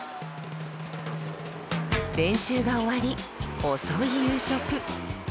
練習が終わり遅い夕食。